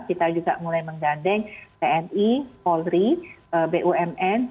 kita juga mulai menggandeng tni polri bumn